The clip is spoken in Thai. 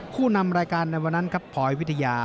ผู้นำรายการในวันนั้นครับพลอยวิทยา